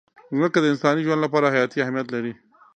مځکه د انساني ژوند لپاره حیاتي اهمیت لري.